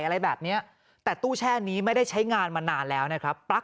อะไรแบบเนี้ยแต่ตู้แช่นี้ไม่ได้ใช้งานมานานแล้วนะครับปลั๊